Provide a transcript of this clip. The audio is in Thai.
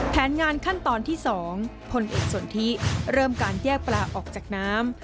แผนงานขั้นตอนที่๒พลเอกสนทิเริ่มการแยกปลาออกจากน้ำ